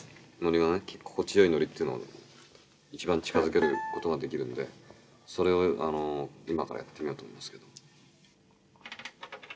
心地よいノリっていうのに一番近づけることができるんでそれを今からやってみようと思うんですけど。